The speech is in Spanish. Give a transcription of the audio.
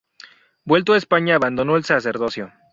Vuelto a España abandonó el sacerdocio.